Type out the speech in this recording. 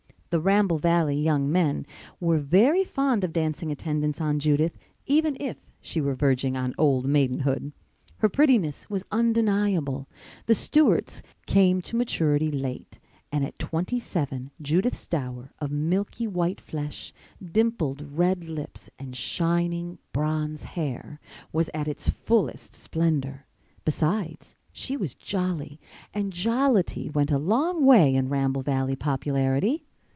The Ramble Valley young men were very fond of dancing attendance on Judith, even if she were verging on old maidenhood. Her prettiness was undeniable; the Stewarts came to maturity late and at twenty seven Judith's dower of milky white flesh, dimpled red lips and shining bronze hair was at its fullest splendor. Besides, she was "jolly," and jollity went a long way in Ramble Valley popularity.